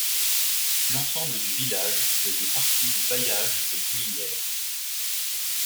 L’ensemble du village faisait partie du bailliage de Bruyères.